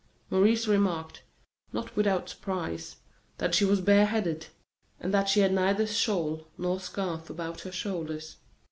Maurice remarked, not without surprise, that she was bare headed, and that she had neither shawl nor scarf about her shoulders.